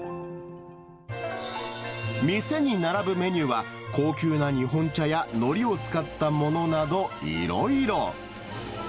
店に並ぶメニューは、高級な日本茶やのりを使ったものなどいろいろ。